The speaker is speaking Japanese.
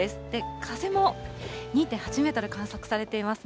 風も２．８メートル観測されていますね。